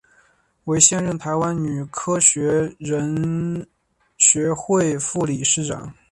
为现任台湾女科技人学会副理事长。